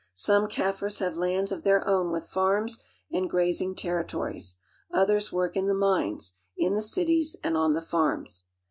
Some Kaffirs have lands of their own with farms and grazing territories ; others work in the mines, in the cities, and on the farms.